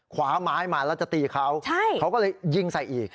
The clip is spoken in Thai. ขวาม้ายมางั้นจะตีเค้าเค้าก็ยิงใส่อีก